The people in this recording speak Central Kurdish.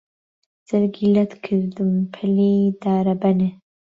جەرگی لەت کردم پەلی دارەبەنێ